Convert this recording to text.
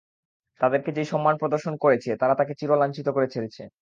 তাদেরকে যেই সম্মান প্রদর্শন করেছে, তারা তাকে চির লাঞ্ছিত করে ছেড়েছে।